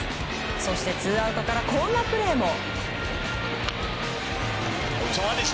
そしてツーアウトからこんなプレーも。